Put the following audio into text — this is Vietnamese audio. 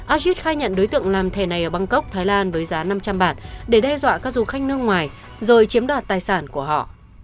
adjid khai nhận đối tượng làm thẻ này ở bangkok thái lan với giá năm trăm linh bạt để đe dọa các du khách nước ngoài rồi chiếm đoạt tài sản của họ